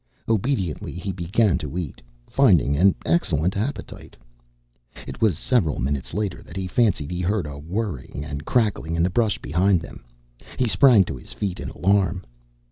Obediently, he began to eat, finding an excellent appetite.... It was several minutes later that he fancied he heard a whirring and crackling in the brush behind them. He sprang to his feet in alarm.